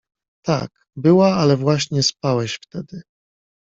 — Tak, była, ale właśnie spałeś wtedy.